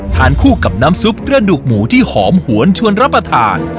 ทานคู่กับน้ำซุปกระดูกหมูที่หอมหวนชวนรับประทาน